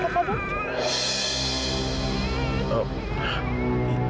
bagaimana kak fah